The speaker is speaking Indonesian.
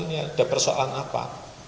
ini ada persoalan apa